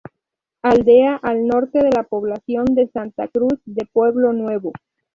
Aldea al norte de la población de Santa Cruz, de Pueblo Nuevo.